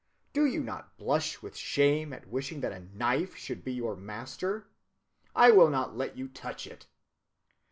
Do you not blush with shame at wishing that a knife should be your master? I will not let you touch it.